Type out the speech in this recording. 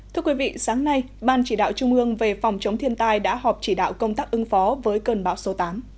thưa quý vị sáng nay ban chỉ đạo trung ương về phòng chống thiên tai đã họp chỉ đạo công tác ứng phó với cơn bão số tám